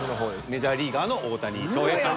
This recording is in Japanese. メジャーリーガーの大谷翔平さん。